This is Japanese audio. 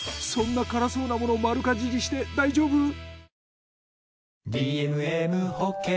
そんな辛そうなものを丸かじりして大丈夫？